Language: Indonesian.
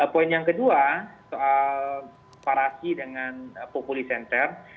poin yang kedua soal parasi dengan populi center